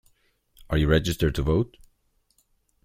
Are you registered to vote?